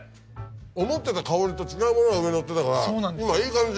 思ってた香りと違うものが上にのってたから今いい感じ。